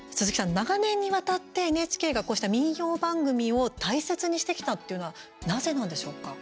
長年にわたってＮＨＫがこうした民謡番組を大切にしてきたっていうのはなぜなんでしょうか。